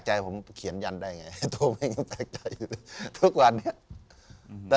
จะไม่ตลอด